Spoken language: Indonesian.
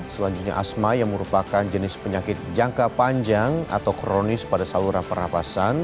selanjutnya asma yang merupakan jenis penyakit jangka panjang atau kronis pada saluran pernafasan